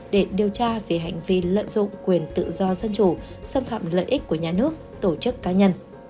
để điều tra về hành vi lợi dụng quyền tự do dân chủ xâm phạm lợi ích của nhà nước tổ chức cá nhân